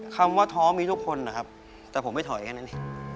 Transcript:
คำว่าท้อมีทุกคนนะครับแต่ผมไม่ถอยแค่นั้น